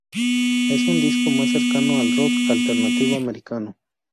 Es un disco más cercano al Rock Alternativo Americano.